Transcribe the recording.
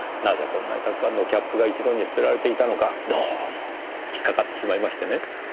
なぜこんなにたくさんのキャップが一度に捨てられていたのかどうも引っかかってしまいましてね。